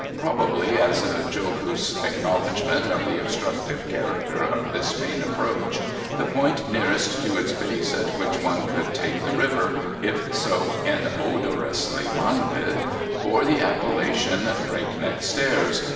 Probably as a jocose acknowledgment of the obstructive character of this main approach, the point nearest to its base at which one could take the river (if so inodorously minded) bore the appellation Break Neck Stairs.